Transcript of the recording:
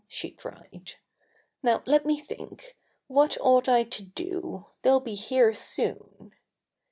she cried. *'Now let me think! What ought I to do? They'll be here soon.